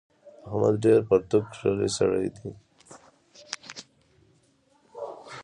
احمد ډېر پرتوګ کښلی سړی دی.